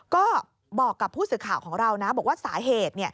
ก็บอกกับผู้สื่อข่าวของเรานะบอกว่าสาเหตุ